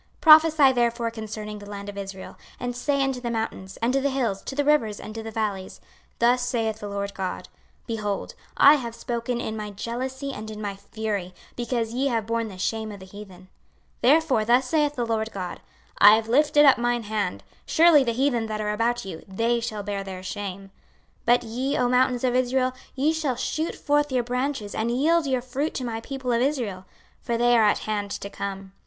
26:036:006 Prophesy therefore concerning the land of Israel, and say unto the mountains, and to the hills, to the rivers, and to the valleys, Thus saith the Lord GOD; Behold, I have spoken in my jealousy and in my fury, because ye have borne the shame of the heathen: 26:036:007 Therefore thus saith the Lord GOD; I have lifted up mine hand, Surely the heathen that are about you, they shall bear their shame. 26:036:008 But ye, O mountains of Israel, ye shall shoot forth your branches, and yield your fruit to my people of Israel; for they are at hand to come.